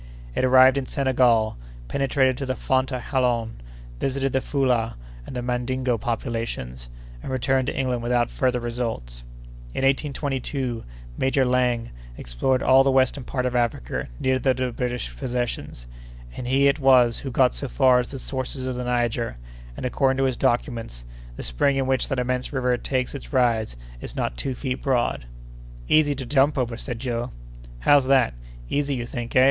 It arrived in Senegal, penetrated to the Fonta Jallon, visited the Foullah and Mandingo populations, and returned to England without further results. In 1822, Major Laing explored all the western part of Africa near to the British possessions; and he it was who got so far as the sources of the Niger; and, according to his documents, the spring in which that immense river takes its rise is not two feet broad. "Easy to jump over," said Joe. "How's that? Easy you think, eh?"